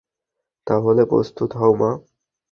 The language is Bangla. তাহলে প্রস্তুত হও, মা!